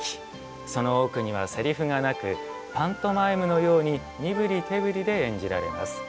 その多くにはせりふがなくパントマイムのように身ぶり手ぶりで演じられます。